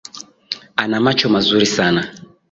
Ana macho mazuri sana.